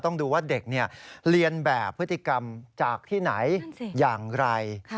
ต้องดูว่าเด็กเรียนแบบพฤติกรรมจากที่ไหนอย่างไร